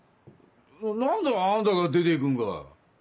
何であんたが出て行くんか。